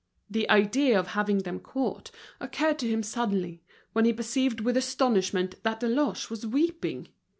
The idea of having them caught occurred to him suddenly, when he perceived with astonishment that Deloche was weeping.